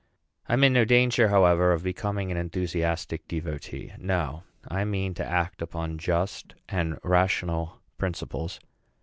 I am in no danger, however, of becoming an enthusiastic devotee. No; I mean I act upon just and rational principles.